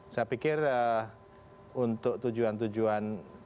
saya pikir untuk tujuan tujuan